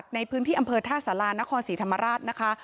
ในพื้นที่อำเภอท่าสารานครศรีธรรมราชนะคะ